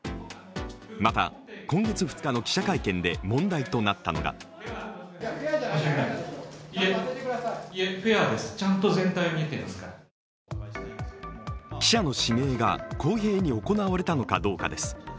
また今月２日の記者会見で問題となったのが記者の指名が公平に行われたのかどうかです